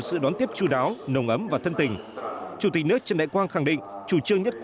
sự đón tiếp chú đáo nồng ấm và thân tình